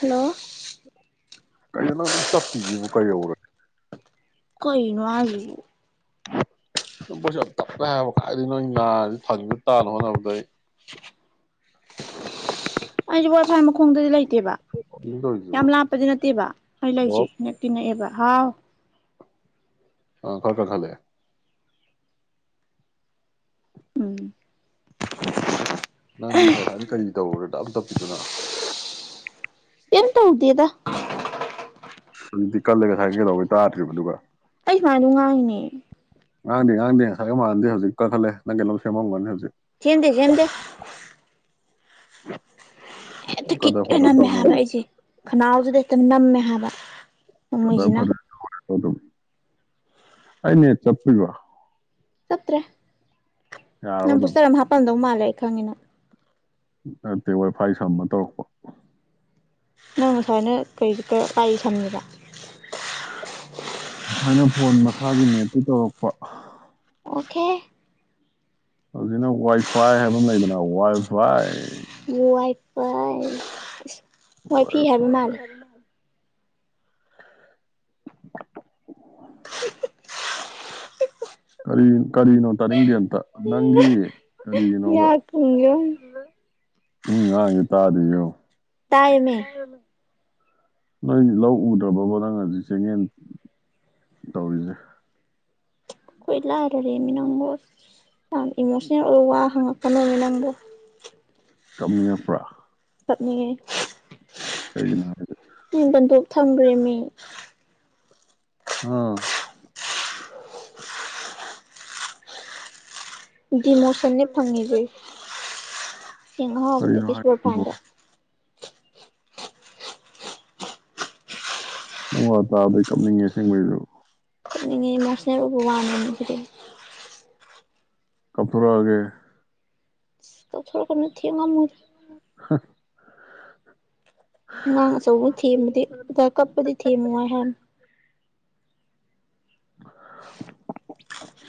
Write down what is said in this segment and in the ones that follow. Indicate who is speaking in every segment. Speaker 1: hello
Speaker 2: ꯀꯩꯅꯣ ꯅꯪ ꯑꯗꯨꯝ ꯇꯞꯄꯤꯖꯤꯕꯨ ꯀꯩꯗꯧꯔ
Speaker 1: ꯀꯩꯅꯣ ꯍꯥꯏꯖꯤꯕꯨ
Speaker 2: ꯅꯪ ꯕꯣꯏꯁꯁꯦ ꯌꯥꯝ ꯇꯞꯄꯦ ꯍꯥꯏꯕꯥ ꯀꯥꯏꯗꯩꯅꯣ ꯑꯩ ꯅꯥꯖꯤ ꯊꯟꯅ ꯇꯥꯅꯕ ꯍꯣꯠꯅꯕꯗ ꯑꯩ
Speaker 1: ꯑꯩꯁꯦ ꯋꯥꯏꯐꯥꯏ ꯃꯈꯣꯡꯗꯗꯤ ꯂꯩꯇꯦꯕ ꯌꯥꯝ ꯂꯥꯞꯄꯗꯤ ꯅꯠꯇꯦꯕ ꯑꯩ ꯂꯩꯁꯦ ꯅꯛꯇꯤ ꯅꯛꯑꯦꯕ ꯍꯥꯎ
Speaker 2: ꯑ ꯈꯔ ꯀꯜꯈꯠꯂꯦ
Speaker 1: ꯎꯝ
Speaker 2: ꯅꯪꯗꯤ ꯉꯁꯥꯏꯗꯩ ꯀꯔꯤ ꯀꯩꯗꯧꯔꯦ ꯑꯗꯨꯛꯌꯥꯝ ꯇꯞꯄꯤꯗꯨꯅ
Speaker 1: ꯇꯧꯗꯦꯗꯥ
Speaker 2: ꯁꯤꯗꯗꯤ ꯀꯜꯂꯦ ꯉꯁꯥꯏꯒꯩ ꯀꯩꯗꯧꯕꯩ ꯇꯥꯗ꯭ꯔꯤꯕ ꯑꯗꯨꯒ
Speaker 1: ꯑꯩ ꯁꯨꯃꯥꯏꯅꯥ ꯑꯗꯨꯝ ꯉꯥꯡꯉꯤꯅꯦ
Speaker 2: ꯉꯥꯡꯗꯦ ꯉꯥꯡꯗꯦ ꯉꯁꯥꯏꯒ ꯃꯥꯟꯅꯗꯦ ꯍꯧꯖꯤꯛ ꯀꯥꯈꯠꯂꯦ ꯅꯪ ꯀꯩꯅꯣꯝ ꯁꯦꯝꯃꯝꯒꯅꯤ ꯍꯧꯖꯤꯛ
Speaker 1: ꯆꯦꯟꯗꯦ ꯆꯦꯟꯗꯦ
Speaker 2: [unintelligible]
Speaker 1: ꯍꯦꯛꯇ ꯀꯤꯠ ꯀ ꯅꯝꯃꯦ ꯍꯥꯏꯕ ꯑꯩꯖꯦ ꯈꯅꯥꯎꯖꯤꯗ ꯍꯦꯛꯇ ꯅꯝꯃꯦ ꯍꯥꯏꯕ
Speaker 2: ꯀꯗ꯭ꯔ ꯐꯗ꯭ꯔ ꯇꯧ ꯍꯥꯏꯕ ꯑꯗꯨꯝ ꯑꯩ ꯅꯦꯠ ꯆꯞꯄꯤꯕꯣ
Speaker 1: ꯆꯞꯇ꯭ꯔꯦ ꯅꯪ ꯕꯨꯁꯇꯔ ꯑꯝ ꯍꯥꯞꯄꯝꯗꯧ ꯃꯥꯜ ꯂꯩ ꯈꯪꯑ ꯅꯪ
Speaker 2: ꯅꯠꯇꯦ ꯋꯥꯏ ꯐꯥꯏ ꯁꯝꯃ ꯇꯧꯔꯛꯄ
Speaker 1: ꯅꯪ ꯉꯁꯥꯏꯅ ꯀꯩ ꯕꯤꯠꯇ ꯄꯥꯏ ꯁꯥꯟꯅꯩꯕ
Speaker 2: ꯁꯨꯃꯥꯏꯅ ꯐꯣꯟ ꯃꯁꯥꯒꯤ ꯅꯦꯠꯇꯩ ꯇꯧꯔꯛꯄ
Speaker 1: ꯑꯣꯀꯦ
Speaker 2: ꯍꯧꯖꯤꯛꯅ ꯋꯥꯏꯐꯥꯏ ꯍꯥꯏꯕ ꯑꯃ ꯂꯩꯗꯅ ꯋꯥꯏꯐꯥꯏ
Speaker 1: ꯋꯥꯏ ꯄꯥꯏ
Speaker 2: ꯋꯥꯏ ꯐꯥꯏ ꯀꯔꯤ ꯀꯔꯤꯅꯣ ꯇꯥꯅꯤꯡꯗꯦ ꯑꯝꯇ ꯅꯪꯒꯤ
Speaker 1: ꯌꯥꯀ ꯄꯨꯡꯌꯣ
Speaker 2: ꯃꯤꯅ ꯉꯥꯡꯉꯤꯖꯦ ꯇꯥꯗ꯭ꫪꯤꯖꯦ ꯌꯦꯡꯎ
Speaker 1: ꯇꯥꯏꯃꯤ
Speaker 2: ꯅꯣꯏꯒꯤ ꯂꯧ ꯎꯗ꯭ꯔꯕꯣꯕ ꯅꯪꯅ ꯍꯧꯖꯤꯛ ꯆꯦꯉꯦꯟ ꯇꯧꯔꯤꯖꯦ
Speaker 1: ꯑꯩꯈꯣꯏꯗꯤ ꯂꯥꯔꯔꯦ ꯃꯤ ꯅꯪꯕꯣ ꯌꯥꯝ ꯏꯃꯣꯁꯅꯦꯜ ꯑꯣꯏꯕ ꯋꯥ ꯍꯪꯉꯛꯀꯅꯣ ꯃꯤ ꯅꯪꯕꯣ
Speaker 2: ꯀꯞꯅꯤꯡꯉꯛꯄ꯭ꯔ
Speaker 1: ꯀꯞꯅꯤꯡꯉꯦ ꯃꯤ ꯕꯟꯗꯣꯞ ꯊꯝꯒ꯭ꯔꯦ ꯃꯤ
Speaker 2: ꯍꯥ
Speaker 1: ꯗꯤꯃꯣꯁꯟꯅꯦ ꯐꯪꯉꯤꯖꯦ ꯆꯦꯡ ꯑꯍꯥꯎꯕꯗꯤ ꯁꯨꯄ꯭ꯔ ꯐꯥꯏꯟ ꯗꯣ
Speaker 2: ꯑꯪ ꯋꯥ ꯇꯥꯕꯩ ꯀꯞꯅꯤꯡꯉꯦ ꯑꯁꯦꯡꯕꯩꯁꯨ
Speaker 1: ꯀꯞꯅꯤꯡꯉꯦ ꯏꯃꯣꯁꯅꯦꯜ ꯑꯣꯏꯕ ꯋꯥꯅꯤꯃꯤ
Speaker 2: ꯀꯞꯊꯣꯔꯛꯑꯒꯦ
Speaker 1: ꯀꯞꯊꯣꯛꯑꯣ
Speaker 2: ꯍꯎ
Speaker 1: ꯑꯉꯥꯡ ꯑꯆꯧ ꯊꯦꯝꯕꯗꯤ ꯀꯞꯄꯗꯤ ꯊꯦꯝꯕ ꯍꯋꯥꯏꯍꯦ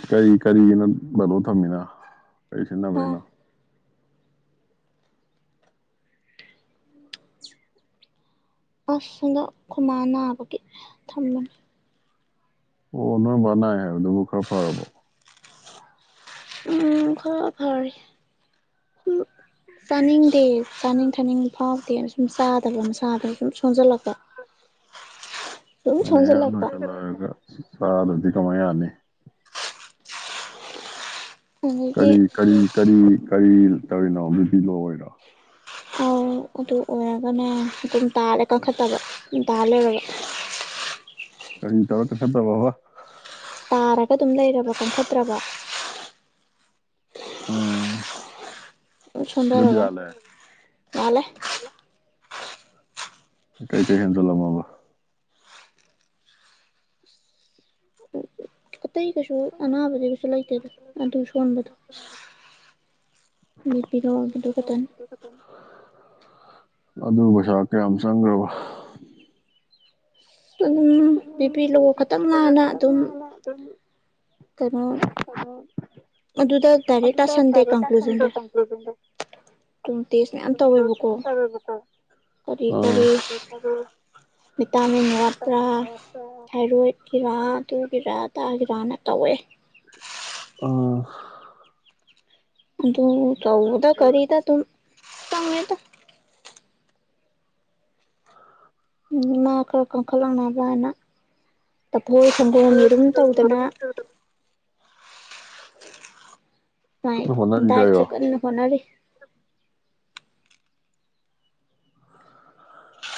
Speaker 2: ꯀꯔꯤ ꯀꯔꯤꯒꯤꯅꯣ ꯕꯟꯗꯣꯞ ꯊꯝꯃꯤꯅ ꯀꯩ ꯁꯤꯟꯅꯕꯩꯅꯣ
Speaker 1: ꯑꯁꯗ ꯈꯨꯃꯥ ꯅꯥꯕꯒꯤ ꯊꯝꯕꯅꯤ
Speaker 2: ꯑꯣ ꯑꯣ ꯅꯣꯏ ꯃꯥ ꯅꯥꯏ ꯍꯥꯏꯗꯨꯕꯨ ꯈꯔ ꯐꯥꯔꯕꯣ
Speaker 1: ꯎꯝ ꯈꯔ ꯐꯔꯦ ꯎ ꯇꯥꯅꯤꯡ ꯗꯦꯌꯦ ꯆꯥꯅꯤꯡ ꯊꯛꯅꯤꯡꯕꯥ ꯐꯥꯎ ꯁꯨꯝ ꯆꯥꯗꯕ ꯃꯁꯥꯗ ꯁꯨꯝ ꯁꯣꯟꯖꯜꯂꯛꯄ
Speaker 2: ꯑꯩꯅ ꯍꯦꯛ ꯄꯁꯇ꯭ꯔ ꯂꯣꯏꯔꯒ ꯆꯥꯗꯗꯤ ꯀꯃꯥꯏ ꯌꯥꯅꯤ ꯀꯔꯤ ꯀꯔꯤ ꯀꯔꯤ ꯀꯔꯤ ꯇꯧꯔꯤꯅꯣ ꯕꯤꯄꯤ ꯂꯣ ꯑꯣꯏꯔꯤꯔꯣ
Speaker 1: ꯑꯣ ꯑꯗꯨ ꯑꯣꯏꯔꯒꯅ ꯑꯗꯨꯝ ꯇꯥꯜꯂꯦ ꯀꯟꯈꯠꯇꯕ ꯑꯗꯨꯝ ꯇꯥ ꯂꯩꯔꯕ
Speaker 2: ꯀꯔꯤ ꯇꯧꯔ ꯀꯪꯈꯠꯇꯕꯕ
Speaker 1: ꯇꯥꯔꯒ ꯑꯗꯨꯝ ꯂꯩꯔꯕ ꯀꯟꯈꯠꯇ꯭ꯔꯕ ꯁꯨꯝ ꯁꯣꯟꯗꯔꯕ ꯃꯥꯜꯂꯦ
Speaker 2: ꯀꯩ ꯀꯩ ꯍꯦꯟꯖꯜꯂꯝꯃꯕ
Speaker 1: ꯑꯇꯩ ꯀꯩꯁꯨ ꯑꯅꯥꯕꯗ ꯀꯩꯁꯨ ꯂꯩꯇꯦꯗ ꯑꯗꯨ ꯁꯣꯟꯕꯗꯣ
Speaker 2: ꯑꯗꯨꯗ ꯈꯛꯇꯪ ꯑꯗꯨ ꯄꯩꯁꯥ ꯀꯌꯥꯝ ꯆꯪꯒ꯭ꯔꯕ
Speaker 1: ꯎ ꯑꯗꯨꯝ ꯕꯤ ꯄꯤ ꯂꯣ ꯈꯛꯇꯪ ꯂꯥꯟꯅ ꯑꯗꯨꯝ ꯀꯩꯅꯣ ꯑꯗꯨꯗ ꯗꯥꯏꯔꯦꯛꯇ ꯁꯟꯗꯦ ꯀꯟꯀ꯭ꯂꯨꯖꯟꯗꯣ ꯑꯗꯨꯝ ꯇꯦꯁ ꯃꯌꯥꯝ ꯇꯧꯋꯦꯕꯀꯣ ꯀꯔꯤ ꯀꯔꯤ ꯚꯤꯇꯥꯃꯤꯟ ꯋꯥꯠꯄ꯭ꯔꯥ ꯊꯥꯏꯔꯣꯏꯗꯀꯤꯔꯥ ꯑꯗꯨꯒꯤꯔꯥ ꯇꯥꯒꯤꯔ ꯆꯥꯅ ꯇꯧꯋꯦ
Speaker 2: ꯑ
Speaker 1: ꯑꯗꯨ ꯇꯧꯕꯗ ꯀꯔꯤꯗ ꯗꯨꯝ ꯆꯪꯉꯦꯗ ꯃ ꯈꯔ ꯀꯪꯈꯠꯂꯥꯝꯃꯕꯅ ꯃꯣꯏ ꯍꯤꯡꯒꯣꯟꯒꯤ ꯑꯗꯨꯝ ꯇꯧꯗꯅ ꯗꯥꯏꯠ ꯗꯥꯏꯠꯁꯨ ꯀꯟꯅ ꯍꯣꯠꯅꯔꯤ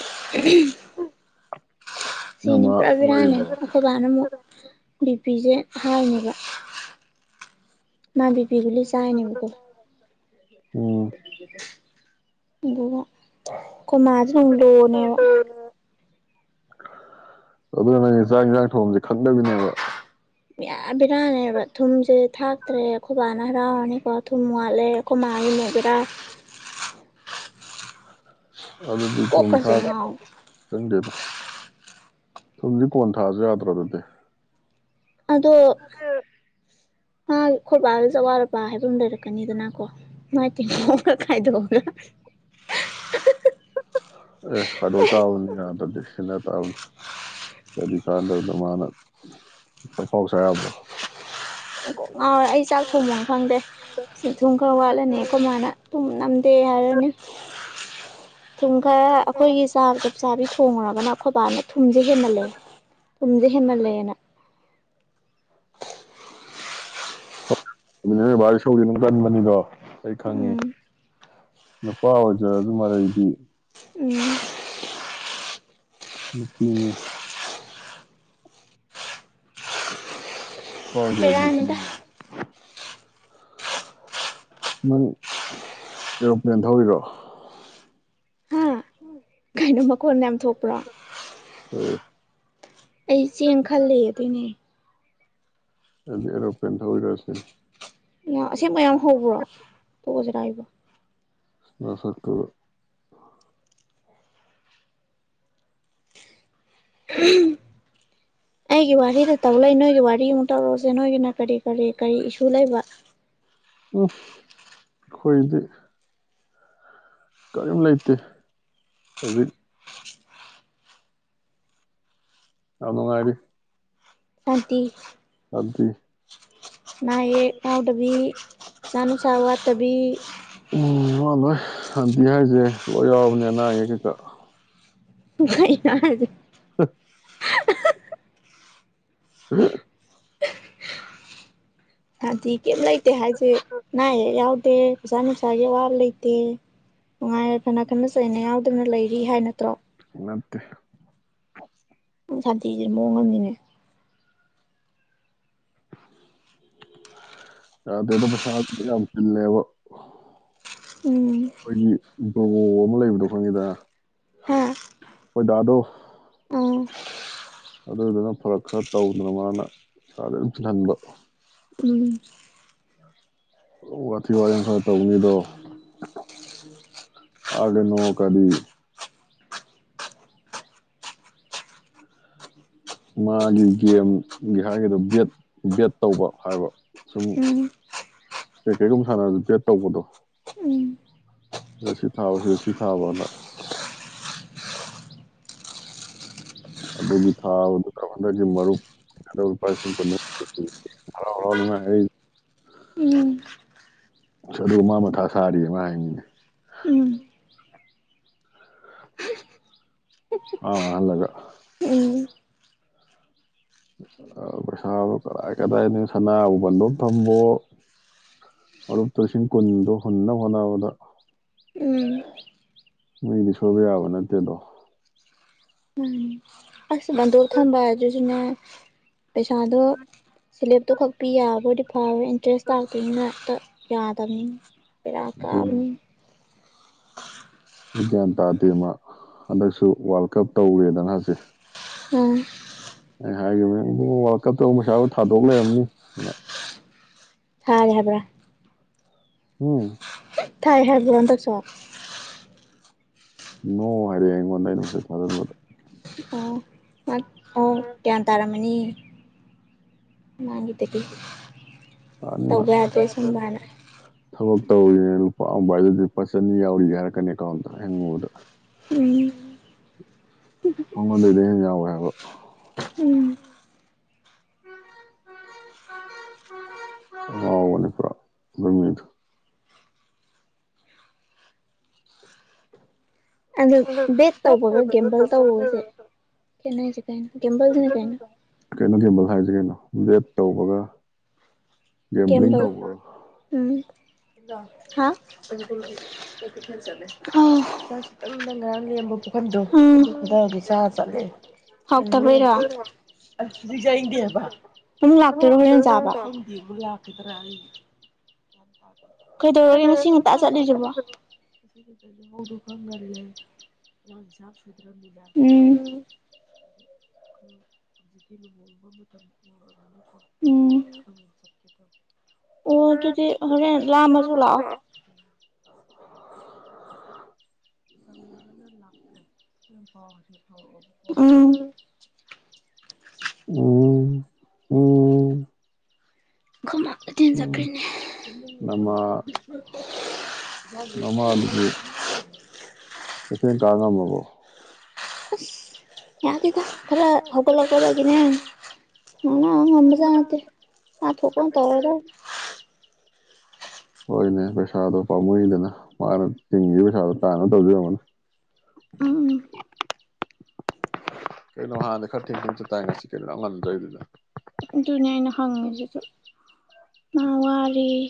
Speaker 1: [unintelligible] ꯁꯤꯅꯤ ꯄꯨꯔꯕꯤꯔꯥꯅꯦ ꯑꯩꯈꯣꯏꯕꯥꯅ ꯑꯃꯨꯛ ꯕꯤꯄꯤꯁꯦ ꯍꯥꯏꯅꯦꯕ ꯃꯥ ꯕꯤꯄꯤ ꯒꯨꯂꯤ ꯆꯥꯏꯅꯦꯕꯀꯣ ꯑꯗꯨꯒ ꯈꯣꯏ ꯃꯥꯁꯤꯅ ꯂꯣꯅꯦꯕ
Speaker 2: ꯑꯗꯨꯅ ꯅꯪꯒꯤ ꯆꯥꯛ ꯏꯟꯁꯥꯡ ꯊꯣꯡꯕꯁꯤ ꯈꯪꯗꯕꯤꯅꯦꯕ
Speaker 1: ꯌꯥꯝ ꯕꯦꯔꯅꯦꯕ ꯊꯨꯝꯁꯦ ꯊꯥꯛꯇ꯭ꯔꯦ ꯑꯩꯈꯣꯏꯕꯥꯅ ꯍꯔꯥꯎꯔꯅꯤꯀꯣ ꯊꯨꯝ ꯋꯥꯠꯂꯦ ꯑꯩꯈꯣꯏ ꯃꯥꯥꯒꯤꯅꯕꯤꯔꯥ
Speaker 2: ꯑꯗꯨꯗꯤ ꯊꯨꯝ ꯊꯥꯛ ꯈꯪꯗꯦꯗ ꯊꯨꯝꯗꯤ ꯀꯣꯟꯅ ꯊꯥꯛꯑꯁꯨ ꯌꯥꯗ꯭ꯔꯣ ꯑꯗꯨꯗꯤ
Speaker 1: ꯑꯗꯣ ꯃꯥꯒꯤ ꯈꯣꯏꯕꯥꯒꯤꯁꯨ ꯑꯋꯥꯠꯛ ꯑꯄꯥ ꯍꯥꯏꯕ ꯑꯃ ꯂꯩꯔꯛꯀꯅꯤꯗꯅꯀꯣ ꯃꯥꯏ ꯇꯦꯡꯀꯣꯠꯒ ꯈꯥꯏꯗꯣꯛꯑꯒ
Speaker 2: ꯑꯦ ꯈꯥꯏꯗꯣꯛꯇꯥꯕꯅꯤꯅ ꯑꯗꯨꯗꯤ ꯁꯤꯅ ꯇꯥꯕꯅꯤ ꯀꯔꯤ ꯀꯥꯟꯗꯕꯗ ꯃꯥꯅ ꯑꯐꯥꯎ ꯁꯥ ꯌꯥꯕ꯭ꯔꯣ
Speaker 1: ꯉꯥꯎꯔꯦ ꯑꯩ ꯆꯥꯛ ꯊꯣꯡꯐꯝ ꯈꯪꯗꯦ ꯁꯤ ꯊꯨꯝ ꯈꯔ ꯋꯥꯠꯂꯅꯤ ꯑꯩꯈꯣꯏ ꯃꯥꯅ ꯊꯨꯝ ꯅꯝꯗꯦ ꯍꯥꯏꯔꯅꯤ ꯊꯨꯝ ꯈꯔ ꯑꯩꯈꯣꯏꯒꯤ ꯆꯥꯡ ꯆꯞ ꯆꯥꯕꯤ ꯊꯣꯡꯉꯨꯔꯒꯅ ꯑꯩꯈꯣꯏꯕꯥꯅ ꯊꯨꯝꯖ ꯍꯦꯟꯃꯜꯂꯦ ꯊꯨꯝꯖꯦ ꯍꯤꯃꯥꯜꯂꯦꯅ
Speaker 2: ꯅꯣꯏ ꯕꯥꯗꯤ ꯏꯁꯧꯗꯤ ꯑꯗꯨꯝ ꯀꯟꯕꯅꯤꯗꯣ ꯑꯩ ꯈꯪꯉꯤ ꯅꯨꯄꯥ ꯑꯣꯏꯖꯔꯁꯨ ꯃꯔꯩꯗꯤ ꯎꯝ [unintelligible] ꯅꯪ ꯑꯦꯔꯣꯄ꯭ꯂꯦꯟ ꯊꯧꯔꯤꯔꯣ
Speaker 1: ꯀꯩꯅꯣ ꯃꯈꯣꯟ ꯌꯥꯝ ꯊꯣꯛꯄ꯭ꯔꯣ
Speaker 2: ꯊꯣꯛꯏ
Speaker 1: ꯑꯩ ꯆꯦꯡ ꯈꯜꯂꯤꯌꯦ ꯑꯗꯨꯏꯅꯦ
Speaker 2: ꯑ ꯑꯦꯔꯄ꯭ꯂꯟ ꯊꯧꯔꯤꯔ ꯁꯤꯅꯤ
Speaker 1: ꯌꯥꯝ ꯑꯁꯦꯡꯕꯩ ꯌꯥꯝ ꯍꯧꯕ꯭ꯔꯣ ꯇꯥꯏꯕ
Speaker 2: ꯅꯁꯛꯇꯨꯒ
Speaker 1: ꯑꯩꯒꯤ ꯋꯥꯔꯤꯗ ꯇꯧ ꯂꯩ ꯅꯣꯏꯒꯤ ꯋꯥꯔꯤ ꯑꯃꯨ ꯇꯔꯣꯛꯎꯁꯦ ꯅꯣꯏꯒꯤꯅ ꯀꯔꯤ ꯀꯔꯤ ꯀꯔꯤ ꯏꯁꯨ ꯂꯩꯕ
Speaker 2: ꯎꯝ ꯑꯩꯈꯣꯏꯗꯤ ꯀꯔꯤꯝ ꯂꯩꯇꯦ ꯍꯧꯖꯤꯛ ꯌꯥꯝ ꯅꯨꯉꯥꯏꯔꯤ ꯑꯗꯤ
Speaker 1: ꯅꯌꯦ ꯌꯎꯗꯕꯤ ꯄꯩꯁꯥ ꯅꯨꯡꯁꯥ ꯋꯥꯠꯇꯕꯤ
Speaker 2: ꯁꯥꯟꯇꯤ ꯍꯥꯏꯁꯦ ꯂꯣꯏ ꯌꯥꯎꯕꯅꯦ ꯑꯅꯥ ꯑꯌꯦꯛ ꯀꯩꯀꯥ
Speaker 1: ꯀꯩꯅꯣ ꯍꯥꯏꯖꯦ ꯑꯍꯦ
Speaker 2: ꯑꯍ
Speaker 1: ꯁꯥꯟꯇꯤ ꯀꯩꯝ ꯂꯩꯇꯦ ꯍꯥꯏꯁꯦ ꯑꯅꯥ ꯑꯌꯦꯛ ꯌꯥꯎꯗꯦ ꯄꯩꯁꯥ ꯅꯨꯡꯁꯥꯒꯤ ꯑꯋꯥꯕ ꯂꯩꯇꯦ ꯅꯨꯡꯉꯥꯏꯔ ꯐꯅ ꯈꯠꯅ ꯆꯩꯅ ꯌꯥꯎꯗꯅ ꯂꯩꯔꯤ ꯍꯥꯏ ꯅꯠꯇ꯭ꯔꯣ
Speaker 2: ꯅꯠꯇꯦ
Speaker 1: ꯅꯪ ꯁꯥꯟꯇꯤꯖꯦ ꯃꯑꯣꯡꯃꯅꯤꯅꯦ
Speaker 2: [inaudible] ꯌꯥꯗꯦ ꯑꯗꯣ ꯄꯩꯁꯥꯗꯨ ꯌꯥꯝ ꯇꯤꯜꯂꯦꯕ ꯑꯩꯈꯣꯏꯒꯤ ꯒ꯭ꯔꯣ ꯑꯃ ꯂꯩꯕꯗꯣ ꯈꯪꯉꯤꯗꯅ ꯍꯣꯏꯗꯥꯗꯣ ꯑꯗꯨꯏꯗꯨꯅ ꯐꯔꯛ ꯈꯔ ꯇꯧꯗꯅ ꯃꯥꯅ ꯏꯁꯥꯗ ꯑꯗꯨꯝ ꯆꯤꯜꯍꯟꯕ ꯋꯥꯊꯤ ꯋꯥꯔꯦꯡ ꯈꯔ ꯇꯧꯅꯤꯗꯣ ꯑꯒꯦ ꯅꯣꯡ ꯀꯗꯤ ꯃꯥꯒꯤ ꯒꯦꯝꯒꯤ ꯍꯥꯏꯒꯗ ꯠ ꯕꯦꯠ ꯇꯧꯕ ꯍꯥꯏꯕ ꯁꯨꯝ ꯀ ꯀꯩꯒꯨꯝ ꯁꯥꯟꯅꯔꯁꯤ ꯕꯦꯠ ꯇꯧꯕꯗꯣ ꯑꯗ ꯁꯤ ꯊꯥꯕꯁꯤꯗ ꯁꯤ ꯊꯥꯕꯅ ꯑꯗꯨꯒꯤ ꯊꯥꯕꯗ ꯍꯟꯗꯛꯀꯤ ꯃꯔꯨꯞ ꯂꯨꯄꯥ ꯂꯤꯁꯤꯡ ꯀꯨꯟ ꯍꯔꯥꯎ ꯍꯔꯥꯎꯅꯤ ꯃꯥꯅ ꯍꯥꯏꯔꯛꯏꯒꯦ ꯑꯗꯨꯒ ꯃꯥ ꯃꯊꯥ ꯁꯥꯔꯦꯌꯦ ꯃꯥꯅ ꯍꯥꯏꯃꯤꯅꯦ ꯃꯥꯅ ꯃꯥꯡꯍꯜꯂꯒ ꯄꯩꯁꯥꯗꯣ ꯀꯗꯥꯏ ꯀꯗꯥꯏꯅꯣ ꯁꯅꯥꯕꯨ ꯟꯗꯣ ꯊꯝꯕꯣ ꯃꯔꯨꯞꯇꯣ ꯂꯤꯁꯤꯡ ꯀꯨꯟꯗꯣ ꯍꯨꯟꯅꯕ ꯍꯣꯠꯅꯕꯗ ꯃꯣꯏꯗꯤ ꯁꯣꯏꯕ ꯌꯥꯕ ꯅꯠꯇꯦꯗꯣ
Speaker 1: ꯑꯁ ꯕꯟꯗꯣꯞ ꯊꯝꯕ ꯍꯥꯏꯗꯨꯖꯨꯅꯦ ꯄꯩꯁꯥꯗꯣ ꯁꯂꯦꯞꯇꯣ ꯈꯛ ꯄꯤ ꯌꯥꯕꯗꯤ ꯐꯥꯎꯋꯦ ꯏꯟꯇꯔꯦꯁ ꯂꯥꯛꯇꯣꯏꯅꯤꯅ ꯍꯦꯛꯇ ꯌꯥꯗꯃꯤ ꯕꯦꯔꯥ ꯀꯥꯕꯅꯤ
Speaker 2: ꯒ꯭ꯌꯥꯟ ꯇꯥꯗꯦ ꯃꯥ ꯍꯟꯗꯛꯁꯨ ꯋꯥꯔꯜ ꯀꯞ ꯇꯧꯔꯦꯅ ꯍꯥꯏꯁꯦ
Speaker 1: ꯎꯝ
Speaker 2: ꯑꯩ ꯍꯥꯏꯈꯤꯕꯅꯤ ꯏꯕꯨꯡꯉꯣ ꯋꯥꯔꯜ ꯀꯞꯇ ꯑꯃꯨꯛ ꯄꯩꯁꯥꯗꯣ ꯊꯥꯗꯣꯛ ꯂꯩꯔꯝꯅꯤ
Speaker 1: ꯊꯔꯦ ꯍꯥꯏꯕ꯭ꯔ
Speaker 2: ꯍꯝ
Speaker 1: ꯊꯥꯏ ꯍꯥꯏꯕ꯭ꯔꯣ ꯍꯟꯇꯛꯁꯨ
Speaker 2: ꯅꯣ ꯍꯥꯏꯔꯦ ꯑꯩꯉꯣꯟꯗ ꯑꯩꯅ ꯃꯁꯦꯁ ꯊꯥꯖꯟꯕꯗ
Speaker 1: ꯒ꯭ꯌꯥꯟ ꯇꯥꯔꯝꯃꯅꯤꯌꯦ ꯃꯥꯒꯤ ꯇꯗꯒꯤ ꯇꯧꯕ ꯌꯥꯗ꯭ꯔꯦ ꯁꯨꯃꯥꯏꯅ
Speaker 2: ꯇꯧꯔꯤꯅꯦ ꯂꯨꯄꯥ ꯃꯕꯥꯏꯗꯗꯤ ꯂꯨꯄꯥ ꯆꯅꯤ ꯌꯥꯎꯔꯤꯒ ꯍꯥꯏꯔꯛꯀꯅꯤ ꯑꯦꯀꯥꯎꯟꯗ ꯍꯪꯉꯨꯕꯗ ꯎꯝ ꯃꯉꯣꯟꯗꯩꯗꯤ ꯑꯩꯅ ꯌꯥꯎꯋꯦ ꯍꯥꯏꯕ ꯉꯥꯎꯕꯅꯤ ꯄꯨꯔꯞ ꯑꯗꯨꯏ ꯃꯤꯗꯣ
Speaker 1: ꯑꯗꯨ ꯕꯦꯛ ꯇꯧꯕꯒ ꯒꯦꯝꯕꯜ ꯇꯧꯕꯒꯁꯦ ꯈꯦꯠꯅꯩꯁꯦ ꯀꯩꯅꯣ ꯒꯦꯝꯕꯜꯁꯤꯅ ꯀꯩ ꯍꯥꯏꯅꯣ
Speaker 2: ꯕꯦꯠ ꯇꯧꯕꯒ ꯒꯦꯝꯕꯂꯤꯡ ꯇꯧꯕꯒ
Speaker 1: ꯍꯥ ꯍꯥꯎꯊꯕꯩꯔꯣ ꯑꯃꯨꯛ ꯂꯥꯛꯇꯣꯏꯔꯣ ꯍꯣꯔꯦꯟ ꯆꯥꯕ ꯂꯥꯛꯈꯤꯗꯔ ꯑꯩ ꯀꯩꯗꯧꯔꯒꯦ ꯉꯁꯤ ꯉꯟꯇ ꯆꯠꯂꯤꯁꯤꯕꯣ ꯎꯝ ꯎꯝ ꯎꯝ
Speaker 2: [unintelligible]
Speaker 1: ꯄꯥꯎ ꯑꯣꯏꯅ ꯐꯥꯎꯔꯛꯑꯣ ꯎꯝ [unintelligible]
Speaker 2: ꯎꯝ ꯎꯝ
Speaker 1: ꯑꯈꯣꯏ ꯃꯥꯒ ꯊꯤꯟ ꯆꯠꯈ꯭ꯔꯤꯅꯦ [unintelligible]
Speaker 2: ꯀꯩꯊꯦꯜ ꯀ ꯉꯝꯃꯕ꯭ꯔꯣ
Speaker 1: ꯑꯁ ꯌꯥꯗꯦꯗ ꯈꯔ ꯍꯧꯒꯠꯂꯛꯄꯗꯒꯤꯅꯦ ꯉꯥꯡꯅ ꯉꯝꯕꯖꯥꯠ ꯅꯠꯇꯦ ꯃꯥꯅ ꯊꯣꯛꯄ ꯇꯧꯒꯔꯗꯝ
Speaker 2: ꯍꯣꯏꯅꯦ ꯄꯩꯁꯥꯗꯣ ꯄꯥꯝꯃꯨꯏꯗꯅ ꯃꯥꯅ ꯇꯤꯡꯈꯤ ꯄꯩꯁꯥꯗꯣ ꯇꯥꯅ ꯇꯧꯖꯩ ꯑꯣꯏꯔꯝꯅꯤ ꯀꯩꯅꯣ ꯍꯥꯟꯅ ꯈꯔ ꯊꯦꯡ ꯊꯦꯡ ꯆꯠꯇꯥꯏꯅꯦ ꯉꯁꯤ ꯀꯩꯅꯣ ꯑꯗꯨꯛꯌꯥꯝ ꯉꯟꯗꯧꯔꯤꯗꯨꯅ
Speaker 1: ꯑꯗꯨꯅꯦ ꯑꯩꯅ ꯍꯪꯏꯁꯤꯁꯨ ꯃꯥ ꯋꯥꯔꯦꯌꯦ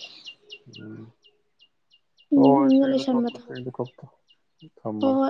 Speaker 2: ꯍꯣꯏ ꯁꯦ ꯊꯝꯃꯒꯦ